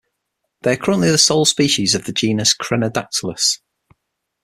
They are currently the sole species of the genus Crenadactylus.